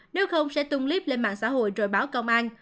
nếu không sẽ tung clip lên mạng xã hội rồi báo công an